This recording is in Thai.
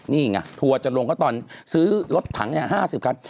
นี่ไงทัวร์จะลงก็ตอนซื้อรถถัง๕๐คัน